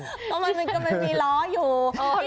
อ๋อครับมันมีล้ออยู่